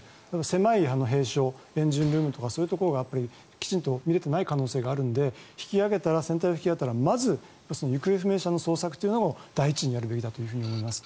狭い閉所をエンジンルームとかそういうところが見れていない可能性があるので船体を引き揚げたらまず、行方不明者の捜索を第一にやるべきだと思います。